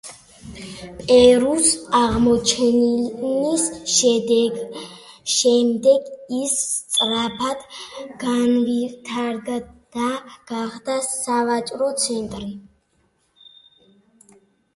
პერუს აღმოჩენის შემდეგ ის სწრაფად განვითარდა და გახდა სავაჭრო ცენტრი.